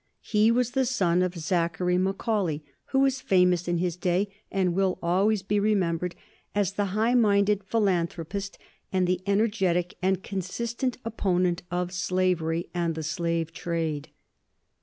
He was the son of Zachary Macaulay, who was famous in his day, and will always be remembered as the high minded philanthropist and the energetic and consistent opponent of slavery and the slave trade.